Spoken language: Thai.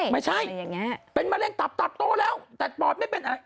ไม่ใช่เป็นมะเร็งตับตับโตแล้วแต่ปอดไม่เป็นอะไร